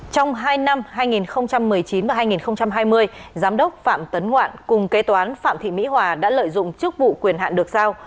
trong hai năm hai nghìn một mươi chín và hai nghìn hai mươi giám đốc phạm tấn ngoạn cùng kế toán phạm thị mỹ hòa đã lợi dụng chức vụ quyền hạn được giao